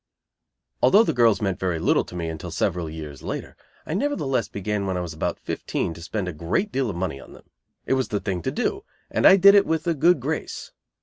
Although the girls meant very little to me until several years later, I nevertheless began when I was about fifteen to spend a great deal of money on them. It was the thing to do, and I did it with a good grace.